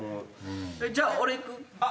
じゃあ俺いく。